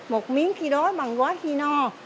một miếng khi đói bằng quá khi no